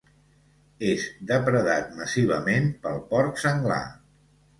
És depredat massivament pel porc senglar.